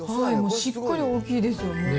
しっかり大きいですよね。